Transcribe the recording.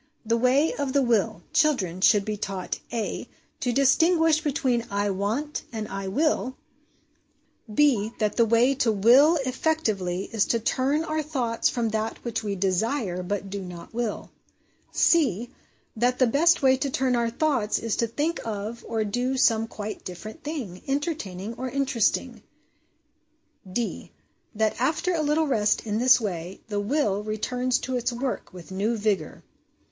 The Way of the Will. Children should be taught (a) To distinguish between ' I want ' and ' I will/ (b) That the way to will effectively is to turn our XVI PREFACE TO THE ' HOME EDUCATION ' SERIES thoughts from that which we desire but do not will. (c) That the best way to turn our thoughts is to think of or do some quite different thing, entertaining or interesting. (d) That, after a little rest in this way, the will returns to its work with new vigour.